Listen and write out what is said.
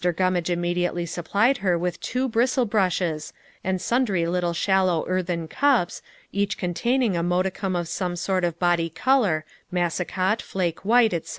Gummage immediately supplied her with two bristle brushes, and sundry little shallow earthen cups, each containing a modicum of some sort of body color, massicot, flake white, etc.